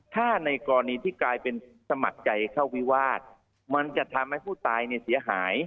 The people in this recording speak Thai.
ถ้าในกรณีที่กลายเป็นสมัครใจเข้าวิวาสมันจะทำให้ผู้ตายเนี่ยเสียหาย